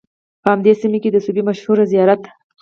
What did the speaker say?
په همدې سیمه کې د سوبۍ مشهور زیارت